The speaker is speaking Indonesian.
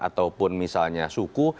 ataupun misalnya suku